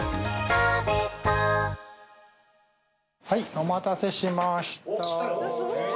お待たせしました。